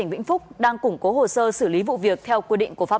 ờ vâng cũng được chị ạ